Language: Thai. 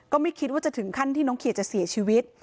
ก็ไม่คิดว่าจะถึงขั้นที่น้องเขียดจะเสียชีวิต